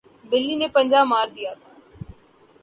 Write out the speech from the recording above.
بلی نے پنجہ مار دیا تھا